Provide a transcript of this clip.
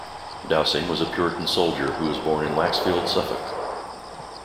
Dowsing was a puritan soldier who was born in Laxfield, Suffolk.